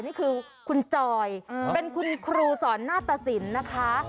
นี่คือคุณจอยเป็นคุณครูสอนหน้าตสินนะคะ